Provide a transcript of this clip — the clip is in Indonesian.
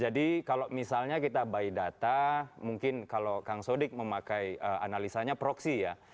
jadi kalau misalnya kita buy data mungkin kalau kang sodik memakai analisanya proxy ya